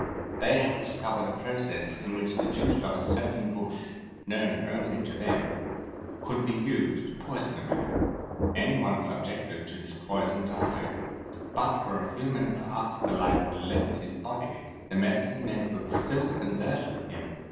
They had discovered a process in which the juice of a certain bush known only to them could be used to poison a man. Anyone subjected to this poison died, but for a few minutes after the life left his body the medicine men could still converse with him.